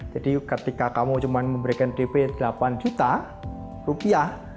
jadi ketika kamu cuma memberikan dp delapan juta rupiah